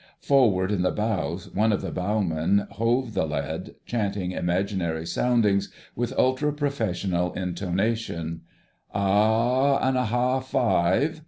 Forward in the bows one of the bowmen hove the lead, chanting imaginary soundings with ultra professional intonation: "A a and a ha' five..."